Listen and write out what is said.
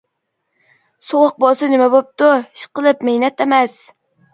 -سوغۇق بولسا نېمە بوپتۇ، ئىشقىلىپ مەينەت ئەمەس.